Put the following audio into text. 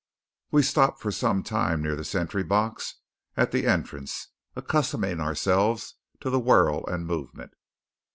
We stopped for some time near the sentry box at the entrance, accustoming ourselves to the whirl and movement.